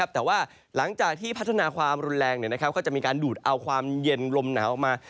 แต่ว่าหลังจากที่พัฒนาความรุนแรงก็จะมีการดูดเอาความเย็นลมหนาวออกมา